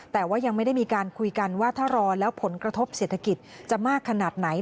แต่ว่ายังไม่ได้มีการคุยกันว่าถ้ารอแล้วผลกระทบเศรษฐกิจจะมากขนาดไหน